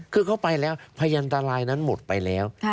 คือเขาไปแล้วพยันตรายนั้นหมดไปแล้ว